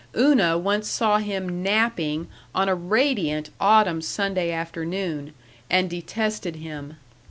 Una once saw him napping on a radiant autumn Sunday afternoon, and detested him.